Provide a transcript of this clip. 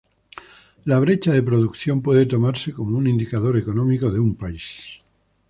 La brecha de producción puede tomarse como un indicador económico de un país.